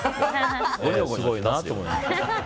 すごいなと思います。